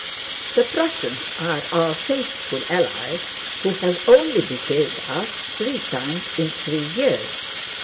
The Prussians are our faithful allies who have only betrayed us three times in three years.